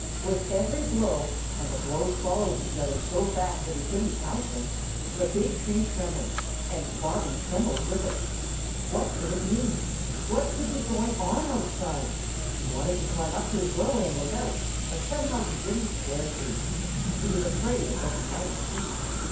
With every blow, and the blows followed each other so fast that he couldn't count them, the big tree trembled, and Bobby trembled with it. What could it mean? What could be going on outside? He wanted to climb up to his doorway and look out, but somehow he didn't dare to. He was afraid of what he might see.